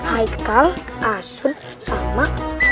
haikal asun sama